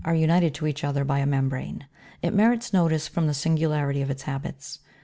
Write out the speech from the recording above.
united to each other by a membrane ; it merits notice from the singularity of its habits.